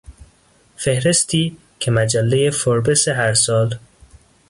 فهرستی که مجله فوربس هر سال